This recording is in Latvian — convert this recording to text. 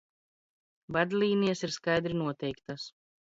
Vadl?nijas ir skaidri noteiktas.